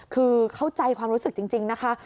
คือเข้าใจความรู้สึกจริงนะคะ